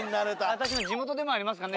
私の地元でもありますからね